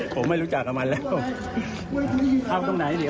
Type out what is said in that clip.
ผมไม่รู้จักกับมันแล้ว